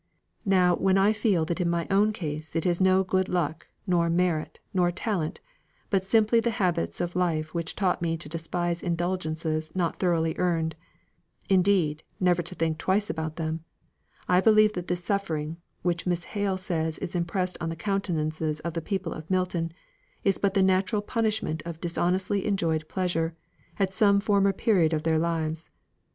Now when I feel that in my own case it is no good luck, nor merit, nor talent, but simply the habits of life which taught me to despise indulgences not thoroughly earned, indeed, never to think twice about them, I believe that this suffering, which Miss Hale says is impressed on the countenances of the people of Milton, is but the natural punishment of dishonestly enjoyed pleasure, at some former period of their lives.